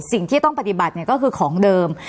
สิ่งที่ต้องปฏิบัติก็คือของเดิม